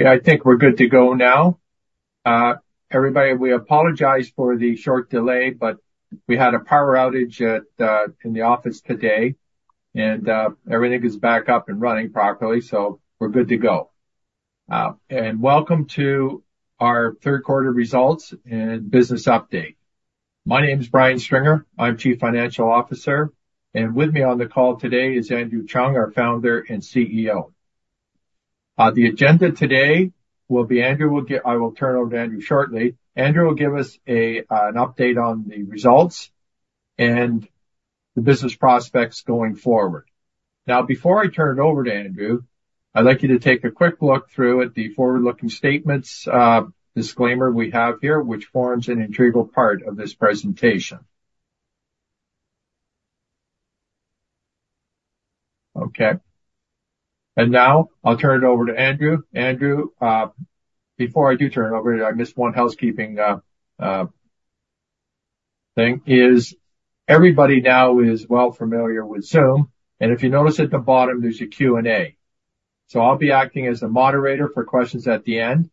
Okay, I think we're good to go now. Everybody, we apologize for the short delay, but we had a power outage at in the office today, and everything is back up and running properly, so we're good to go. And welcome to our third quarter results and business update. My name is Brian Stringer. I'm Chief Financial Officer, and with me on the call today is Andrew Cheung, our founder and CEO. The agenda today will be Andrew will give I will turn it over to Andrew shortly. Andrew will give us a an update on the results and the business prospects going forward. Now, before I turn it over to Andrew, I'd like you to take a quick look through at the forward-looking statements disclaimer we have here, which forms an integral part of this presentation. Okay, and now I'll turn it over to Andrew. Andrew, before I do turn it over to you, I missed one housekeeping thing. Is everybody now well familiar with Zoom, and if you notice at the bottom, there's a Q&A. So I'll be acting as the moderator for questions at the end.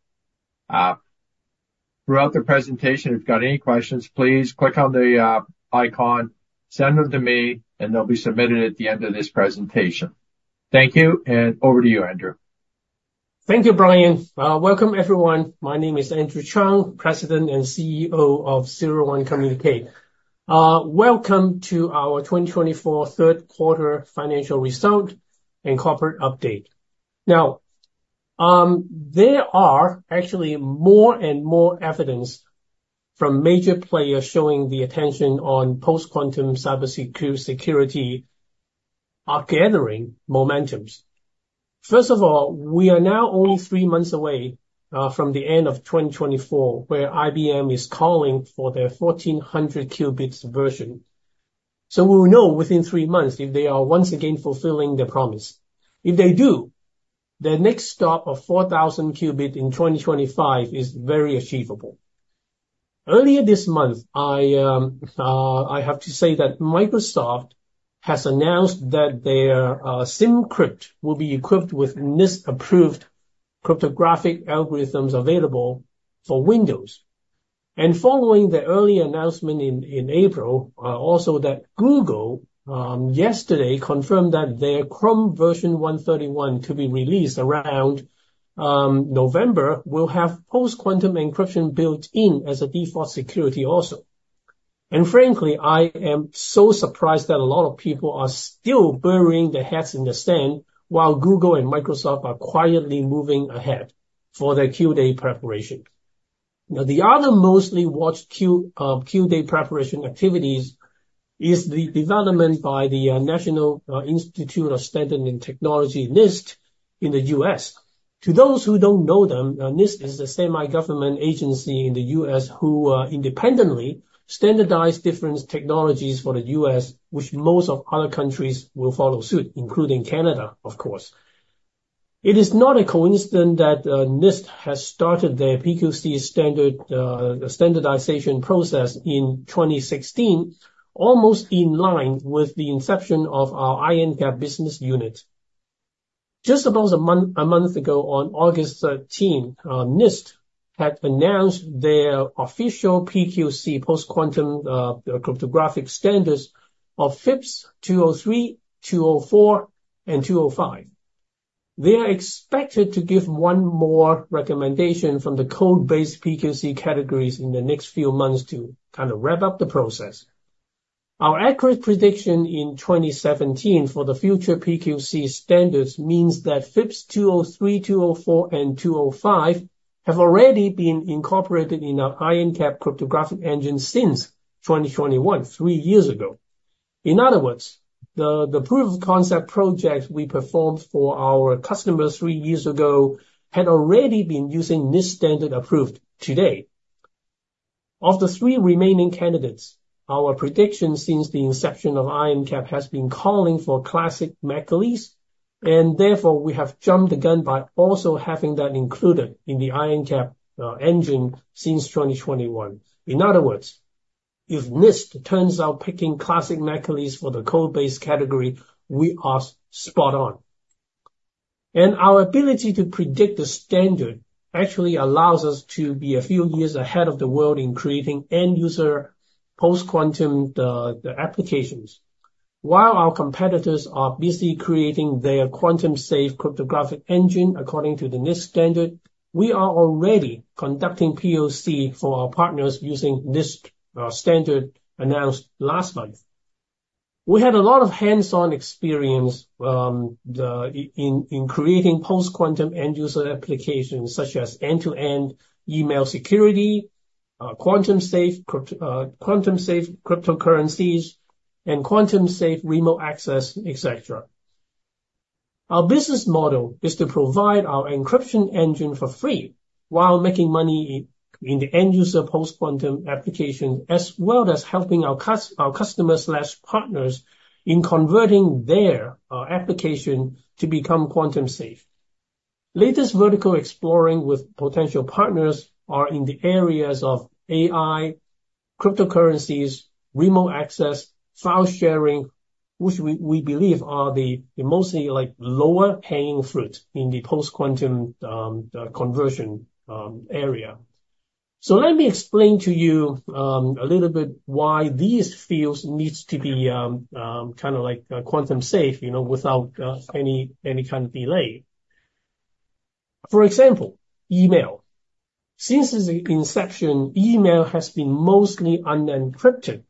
Throughout the presentation, if you've got any questions, please click on the icon, send them to me, and they'll be submitted at the end of this presentation. Thank you, and over to you, Andrew. Thank you, Brian. Welcome, everyone. My name is Andrew Cheung, President and CEO of 01 Communique. Welcome to our twenty twenty-four third quarter financial result and corporate update. Now, there are actually more and more evidence from major players showing the attention on post-quantum cybersecurity are gathering momentums. First of all, we are now only three months away from the end of twenty twenty-four, where IBM is calling for their 1,400 qubits version. So we will know within three months if they are once again fulfilling their promise. If they do, their next stop of 4,000 qubit in twenty twenty-five is very achievable. Earlier this month, I have to say that Microsoft has announced that their SymCrypt will be equipped with NIST-approved cryptographic algorithms available for Windows. Following the early announcement in April, also that Google yesterday confirmed that their Chrome version 131, to be released around November, will have post-quantum encryption built in as a default security also. Frankly, I am so surprised that a lot of people are still burying their heads in the sand while Google and Microsoft are quietly moving ahead for their Q-day preparation. Now, the other mostly watched Q-day preparation activities is the development by the National Institute of Standards and Technology, NIST, in the U.S. To those who don't know them, NIST is a semi-government agency in the U.S. who independently standardize different technologies for the U.S., which most of other countries will follow suit, including Canada, of course. It is not a coincidence that, NIST has started their PQC standard, standardization process in 2016, almost in line with the inception of our IronCAP business unit. Just about a month ago, on August 13, NIST had announced their official PQC, post-quantum, cryptographic standards of FIPS 203, 204, and 205. They are expected to give one more recommendation from the code-based PQC categories in the next few months to kind of wrap up the process. Our accurate prediction in 2017 for the future PQC standards means that FIPS 203, 204, and 205 have already been incorporated in our IronCAP cryptographic engine since 2021, three years ago. In other words, the proof of concept project we performed for our customers three years ago had already been using NIST standard approved today. Of the three remaining candidates, our prediction since the inception of IronCAP has been calling for Classic McEliece, and therefore, we have jumped the gun by also having that included in the IronCAP engine since 2021. In other words, if NIST turns out picking Classic McEliece for the code-based category, we are spot on, and our ability to predict the standard actually allows us to be a few years ahead of the world in creating end-user post-quantum applications. While our competitors are busy creating their quantum safe cryptographic engine, according to the NIST standard, we are already conducting POC for our partners using NIST standard announced last month. We had a lot of hands-on experience in creating post-quantum end-user applications, such as end-to-end email security, quantum safe cryptocurrencies, and quantum safe remote access, et cetera. Our business model is to provide our encryption engine for free while making money in the end-user post-quantum application, as well as helping our customers/partners in converting their application to become quantum safe. Latest vertical exploring with potential partners are in the areas of AI, cryptocurrencies, remote access, file sharing, which we believe are the most likely low-hanging fruit in the post-quantum conversion area. So let me explain to you a little bit why these fields needs to be kind of like quantum safe, you know, without any kind of delay. For example, email. Since the inception, email has been mostly unencrypted,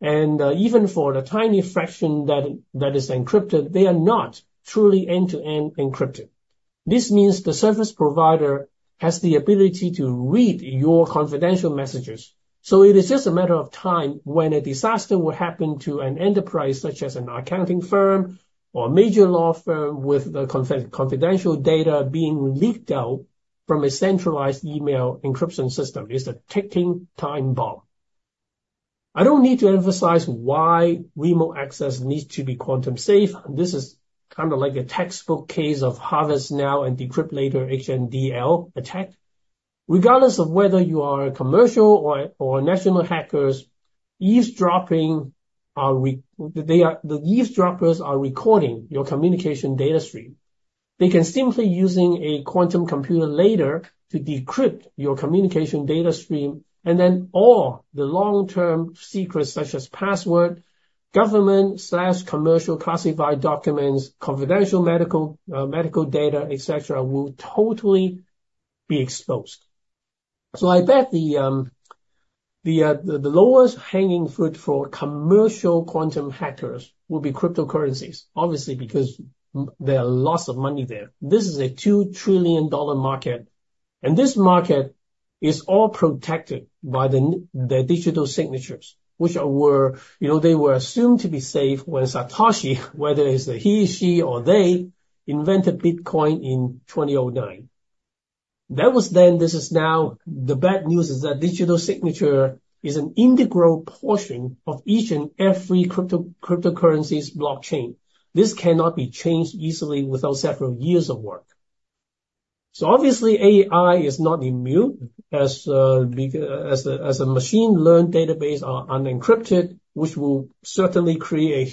and even for the tiny fraction that is encrypted, they are not truly end-to-end encrypted. This means the service provider has the ability to read your confidential messages. So it is just a matter of time when a disaster will happen to an enterprise, such as an accounting firm or a major law firm, with the confidential data being leaked out from a centralized email encryption system. It's a ticking time bomb. I don't need to emphasize why remote access needs to be quantum safe. This is kind of like a textbook case of harvest now and decrypt later, HNDL attack. Regardless of whether you are a commercial or national hackers, the eavesdroppers are recording your communication data stream. They can simply using a quantum computer later to decrypt your communication data stream, and then all the long-term secrets, such as password, government/commercial classified documents, confidential medical data, et cetera, will totally be exposed. So I bet the lowest hanging fruit for commercial quantum hackers will be cryptocurrencies, obviously, because there are lots of money there. This is a $2 trillion market, and this market is all protected by the digital signatures, which were, you know, they were assumed to be safe when Satoshi, whether it's a he, she, or they, invented Bitcoin in 2009. That was then, this is now. The bad news is that digital signature is an integral portion of each and every cryptocurrencies blockchain. This cannot be changed easily without several years of work. So obviously, AI is not immune, as the machine learning databases are unencrypted, which will certainly create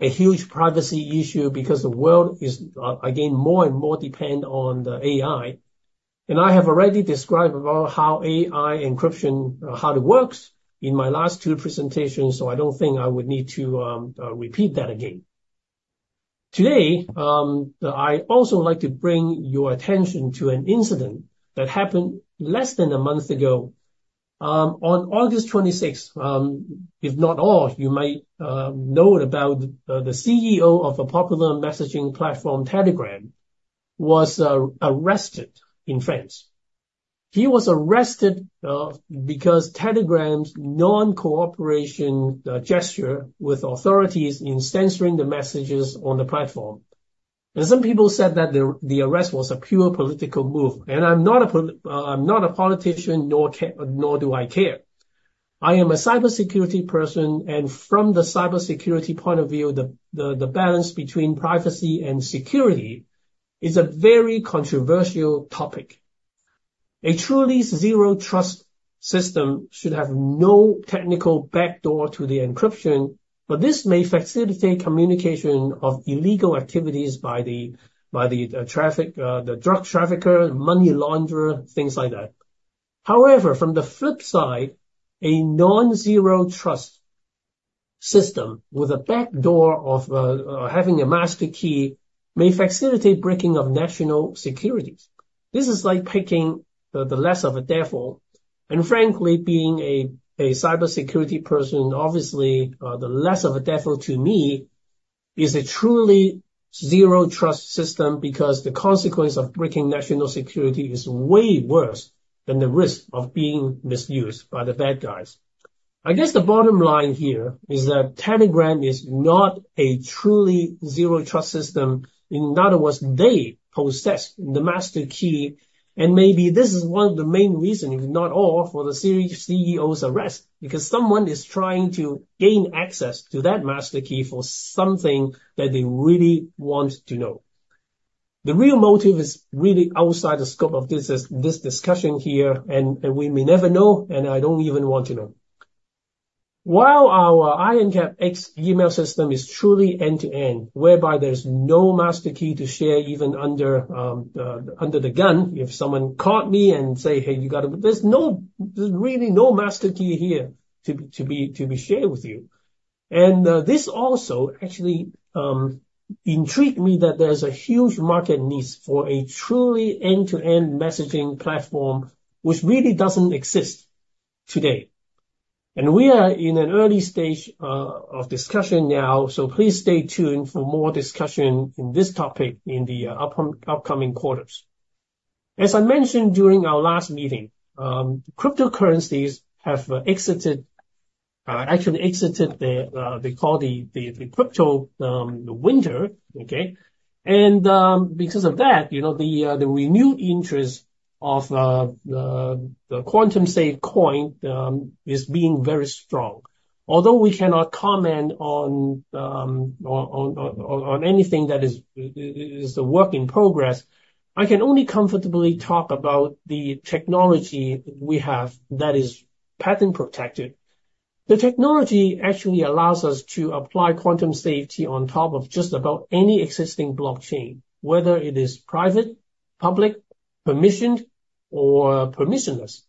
a huge privacy issue, because the world is again, more and more dependent on the AI. And I have already described about how AI encryption, how it works in my last two presentations, so I don't think I would need to repeat that again. Today, I also like to bring your attention to an incident that happened less than a month ago. On August twenty-sixth, if not all, you might know about the CEO of a popular messaging platform, Telegram, was arrested in France. He was arrested because Telegram's non-cooperation gesture with authorities in censoring the messages on the platform. Some people said that the arrest was a pure political move, and I'm not a politician, nor do I care. I am a cybersecurity person, and from the cybersecurity point of view, the balance between privacy and security is a very controversial topic. A truly Zero Trust system should have no technical backdoor to the encryption, but this may facilitate communication of illegal activities by the trafficker, the drug trafficker, money launderer, things like that. However, from the flip side, a non-Zero Trust system with a backdoor of having a master key may facilitate breaking of national security. This is like picking the lesser of two evils. Frankly, being a cybersecurity person, obviously, the less of a devil to me is a truly zero-trust system, because the consequence of breaking national security is way worse than the risk of being misused by the bad guys. I guess the bottom line here is that Telegram is not a truly zero-trust system. In other words, they possess the master key, and maybe this is one of the main reasons, if not all, for the CEO's arrest. Because someone is trying to gain access to that master key for something that they really want to know. The real motive is really outside the scope of this discussion here, and we may never know, and I don't even want to know. While our IronCAP X email system is truly end-to-end, whereby there's no master key to share, even under the gun, if someone caught me and say, "Hey, you got to..." There's really no master key here to be shared with you. And this also actually intrigued me that there's a huge market needs for a truly end-to-end messaging platform, which really doesn't exist today. And we are in an early stage of discussion now, so please stay tuned for more discussion in this topic in the upcoming quarters. As I mentioned during our last meeting, cryptocurrencies have exited, actually exited the they call the crypto winter. Okay? Because of that, you know, the renewed interest of the quantum safe coin is being very strong. Although we cannot comment on anything that is a work in progress, I can only comfortably talk about the technology we have that is patent-protected. The technology actually allows us to apply quantum safety on top of just about any existing blockchain, whether it is private, public, permissioned, or permissionless.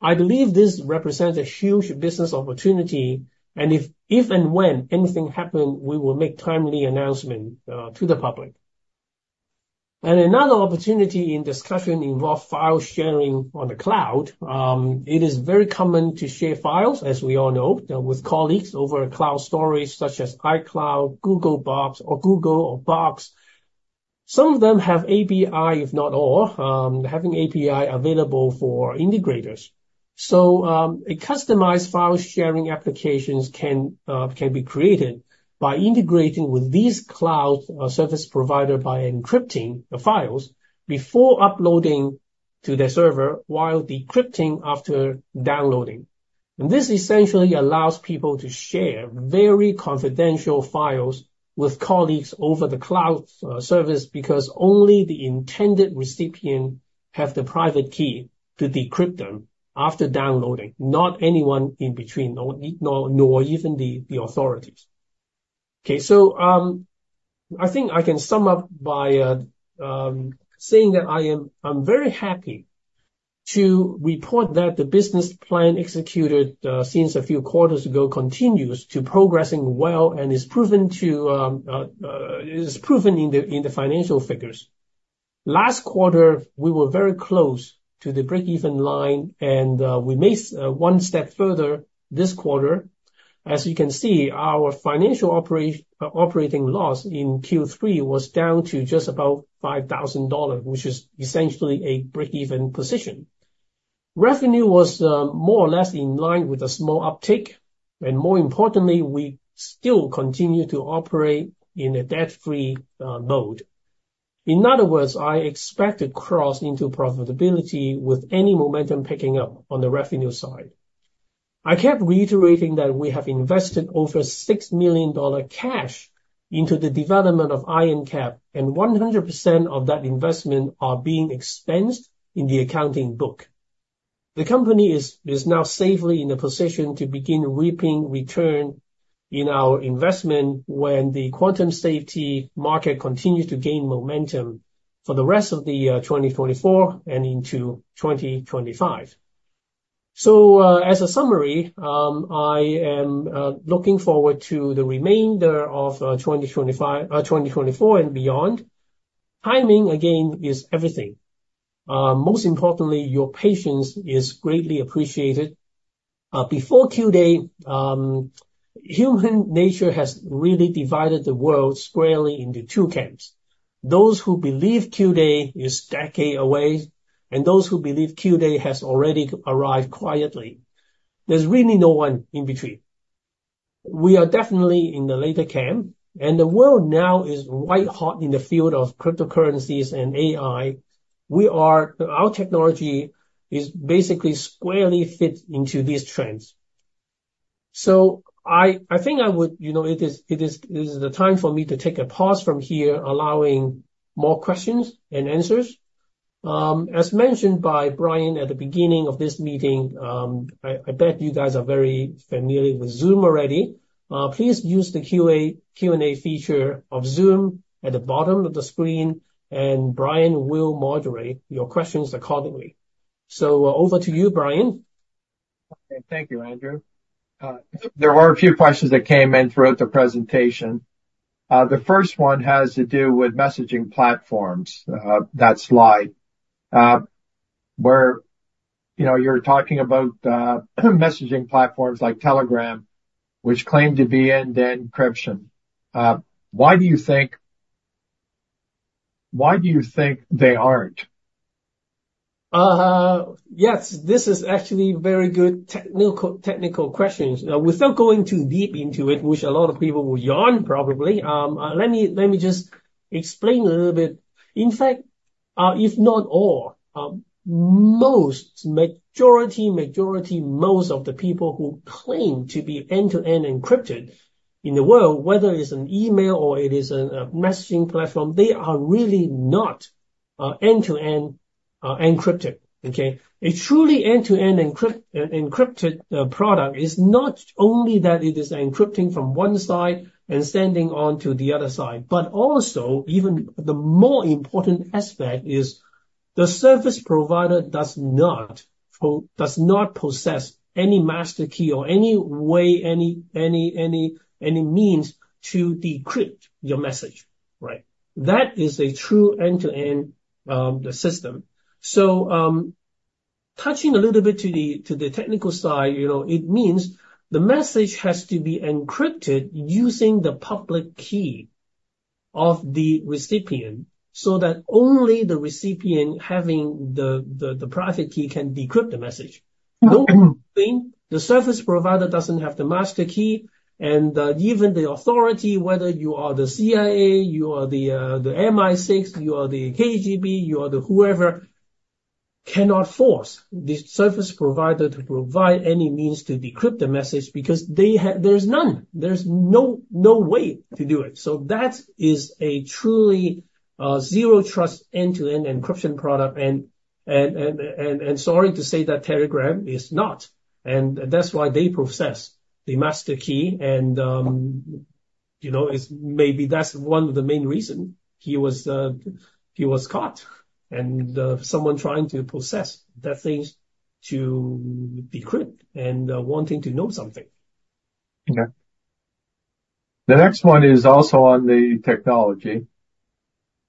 I believe this represents a huge business opportunity, and if and when anything happen, we will make timely announcement to the public. Another opportunity in discussion involve file sharing on the cloud. It is very common to share files, as we all know, with colleagues over cloud storage, such as iCloud, Google, or Box. Some of them have API, if not all, having API available for integrators. So, a customized file sharing applications can be created by integrating with these cloud service provider by encrypting the files before uploading to the server, while decrypting after downloading, and this essentially allows people to share very confidential files with colleagues over the cloud service, because only the intended recipient have the private key to decrypt them after downloading, not anyone in between, nor even the authorities. Okay, so, I think I can sum up by saying that I'm very happy to report that the business plan executed since a few quarters ago continues to progressing well and is proven to, it is proven in the financial figures. Last quarter, we were very close to the break-even line, and we made one step further this quarter. As you can see, our financial operating loss in Q3 was down to just about 5,000 dollars, which is essentially a break-even position. Revenue was more or less in line with a small uptick, and more importantly, we still continue to operate in a debt-free mode. In other words, I expect to cross into profitability with any momentum picking up on the revenue side. I kept reiterating that we have invested over 6 million dollar in cash into the development of IronCAP, and 100% of that investment are being expensed in the accounting book. The company is now safely in a position to begin reaping returns on our investment when the quantum-safe market continues to gain momentum for the rest of the year, twenty-twenty-four and into twenty-twenty-five. So, as a summary, I am looking forward to the remainder of twenty-twenty-five, twenty-twenty-four and beyond. Timing, again, is everything. Most importantly, your patience is greatly appreciated. Before Q-day, human nature has really divided the world squarely into two camps. Those who believe Q-day is a decade away, and those who believe Q-day has already arrived quietly. There's really no one in between. We are definitely in the latter camp, and the world now is white-hot in the field of cryptocurrencies and AI. Our technology is basically squarely fit into these trends. I think I would, you know, it is the time for me to take a pause from here, allowing more questions and answers. As mentioned by Brian at the beginning of this meeting, I bet you guys are very familiar with Zoom already. Please use the Q&A feature of Zoom at the bottom of the screen, and Brian will moderate your questions accordingly. Over to you, Brian. Thank you, Andrew. There are a few questions that came in throughout the presentation. The first one has to do with messaging platforms, that slide, where, you know, you're talking about, messaging platforms like Telegram, which claim to be end-to-end encryption. Why do you think they aren't? Yes, this is actually very good technical questions. Now, without going too deep into it, which a lot of people will yawn, probably, let me just explain a little bit. In fact, if not all, majority of the people who claim to be end-to-end encrypted in the world, whether it's an email or it is a messaging platform, they are really not end-to-end encrypted. Okay? A truly end-to-end encrypted product is not only that it is encrypting from one side and sending on to the other side, but also even the more important aspect is the service provider does not possess any master key or any way, any means to decrypt your message, right? That is a true end-to-end system. So, touching a little bit to the technical side, you know, it means the message has to be encrypted using the public key of the recipient, so that only the recipient having the private key can decrypt the message. No, the service provider doesn't have the master key, and even the authority, whether you are the CIA, you are the MI6, you are the KGB, you are the whoever, cannot force the service provider to provide any means to decrypt the message because there's none. There's no way to do it. So that is a truly zero trust, end-to-end encryption product, and... Sorry to say that Telegram is not, and that's why they possess the master key. You know, it's maybe that's one of the main reason he was caught, and someone trying to possess those things to decrypt, and wanting to know something. Okay. The next one is also on the technology,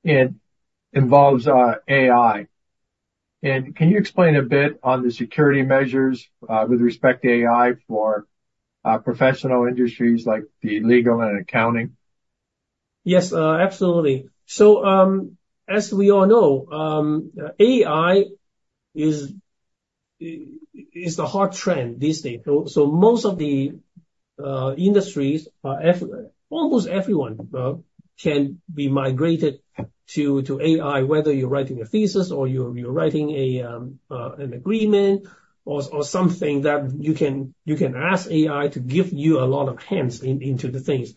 and involves AI. And can you explain a bit on the security measures with respect to AI for professional industries like the legal and accounting? Yes, absolutely. So, as we all know, AI is the hot trend these days. So, most of the industries. Almost everyone can be migrated to AI, whether you're writing a thesis or you're writing an agreement or something that you can ask AI to give you a lot of hints into the things.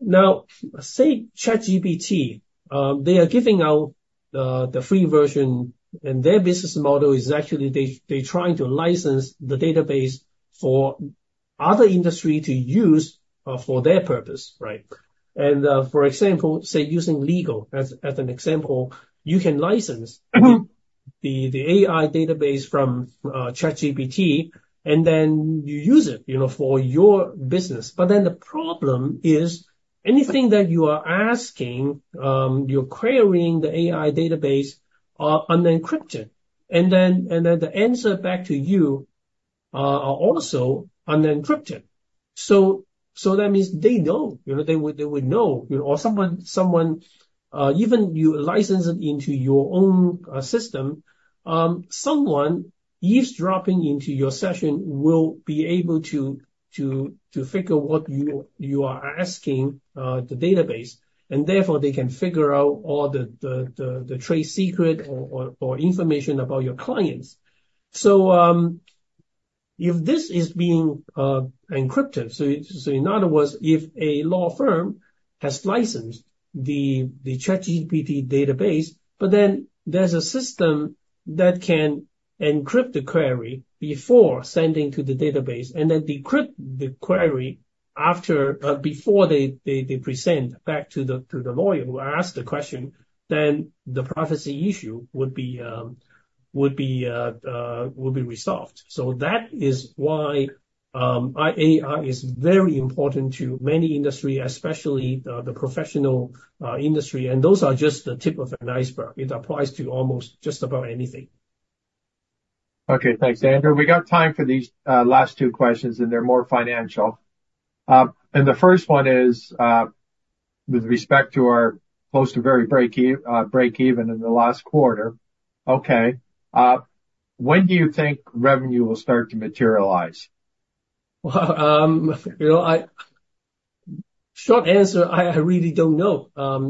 Now, say, ChatGPT, they are giving out the free version, and their business model is actually they trying to license the database for other industry to use for their purpose, right? And, for example, say, using legal as an example, you can license the AI database from ChatGPT, and then you use it, you know, for your business. But then the problem is, anything that you are asking, you're querying the AI database, are unencrypted. And then the answer back to you are also unencrypted. So that means they know, you know, they would know, you know, or someone, even you license it into your own system, someone eavesdropping into your session will be able to figure what you are asking the database, and therefore they can figure out all the trade secret or information about your clients. So, if this is being encrypted, so in other words, if a law firm has licensed the ChatGPT database, but then there's a system that can encrypt the query before sending to the database and then decrypt the query after, before they present back to the lawyer who asked the question, then the privacy issue would be resolved. So that is why AI is very important to many industry, especially the professional industry, and those are just the tip of an iceberg. It applies to almost just about anything. Okay, thanks, Andrew. We got time for these last two questions, and they're more financial. And the first one is with respect to our close to very break-even in the last quarter. Okay, when do you think revenue will start to materialize? You know, short answer, I really don't know.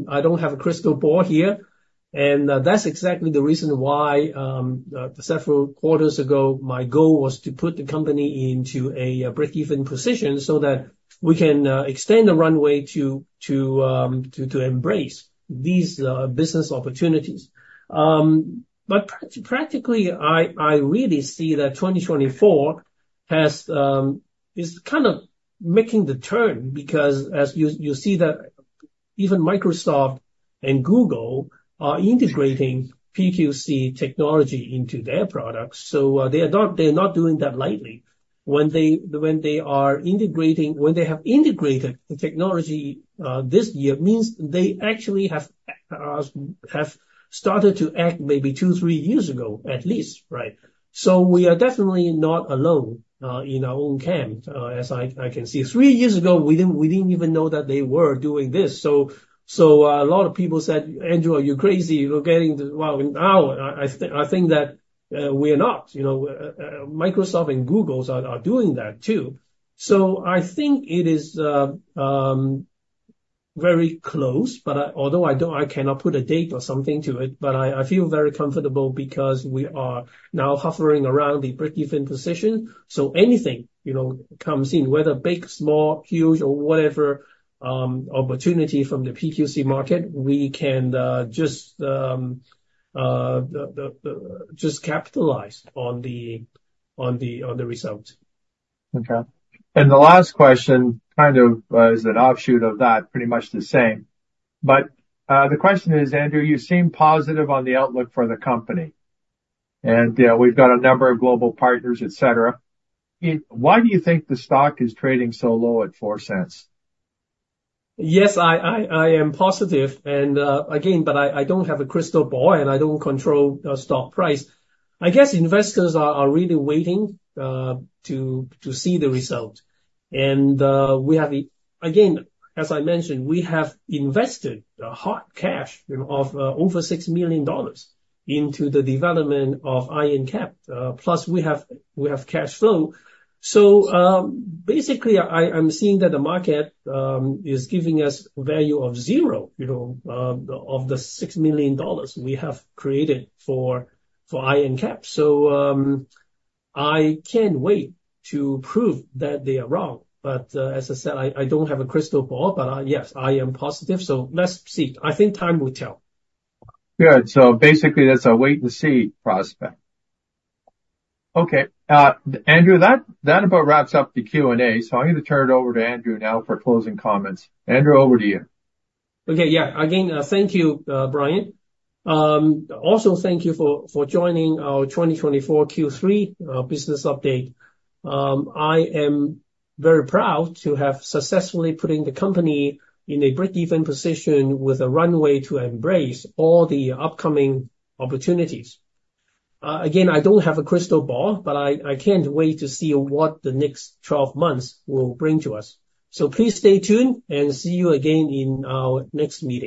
I don't have a crystal ball here, and that's exactly the reason why several quarters ago, my goal was to put the company into a break-even position, so that we can extend the runway to embrace these business opportunities. But practically, I really see that 2024 is kind of making the turn, because as you see that even Microsoft and Google are integrating PQC technology into their products, so they are not doing that lightly. When they have integrated the technology this year, it means they actually have started to act maybe two, three years ago, at least, right? We are definitely not alone in our own camp as I can see. Three years ago, we didn't even know that they were doing this, so a lot of people said, "Andrew, are you crazy? You're getting..." Well, now I think that we are not, you know, Microsoft's and Google's are doing that too. I think it is very close, but I, although I don't- I cannot put a date or something to it, but I feel very comfortable because we are now hovering around the break-even position. Anything, you know, comes in, whether big, small, huge, or whatever, opportunity from the PQC market, we can just capitalize on the result. Okay. And the last question, kind of, is an offshoot of that, pretty much the same. But, the question is, Andrew, you seem positive on the outlook for the company, and, we've got a number of global partners, et cetera. Why do you think the stock is trading so low at 0.04? Yes, I am positive, and again, but I don't have a crystal ball, and I don't control the stock price. I guess investors are really waiting to see the result, and we have. Again, as I mentioned, we have invested the hot cash, you know, of over 6 million dollars into the development of IronCAP, plus we have cash flow, so basically, I'm seeing that the market is giving us value of zero, you know, of the 6 million dollars we have created for IronCAP, so I can't wait to prove that they are wrong, but as I said, I don't have a crystal ball, but yes, I am positive, so let's see. I think time will tell. Good. So basically, that's a wait and see prospect. Okay, Andrew, that about wraps up the Q&A, so I'm gonna turn it over to Andrew now for closing comments. Andrew, over to you. Okay, yeah. Again, thank you, Brian. Also thank you for joining our 2024 Q3 business update. I am very proud to have successfully putting the company in a break-even position with a runway to embrace all the upcoming opportunities. Again, I don't have a crystal ball, but I can't wait to see what the next twelve months will bring to us. So please stay tuned, and see you again in our next meeting.